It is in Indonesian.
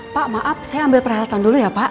pak maaf saya ambil peralatan dulu ya pak